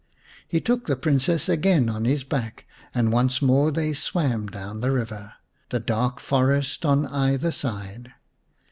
He took the Princess again on his back and once more they swam down the river, the dark forest on either side.